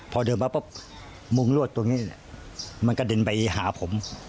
พอเดินมามันก็มุ่งลวดตัวมันกระเด็นไปหาผม